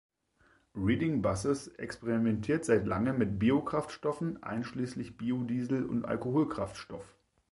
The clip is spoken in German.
Reading Buses experimentiert seit langem mit Biokraftstoffen, einschließlich Biodiesel und Alkoholkraftstoff.